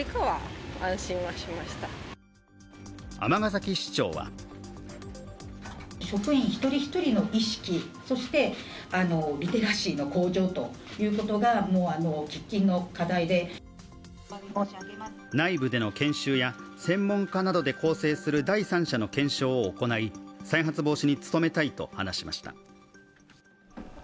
尼崎市長は内部での研修や専門家などで構成する第三者の検証を行い、再発防止に努めたいと話しました。